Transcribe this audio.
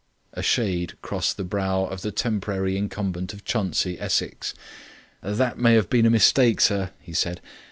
A shade crossed the brow of the temporary incumbent of Chuntsey, in Essex. "That may have been a mistake, sir," he said.